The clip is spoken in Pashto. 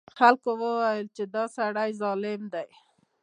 خلکو وویل چې دا سړی ظالم دی.